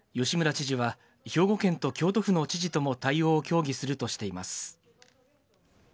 吉村知事は兵庫県と京都府の知事とも対応を協議するとしています。